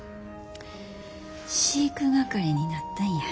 飼育係になったんや。